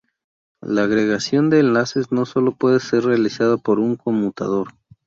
La agregación de enlaces no sólo puede ser realizada por un conmutador.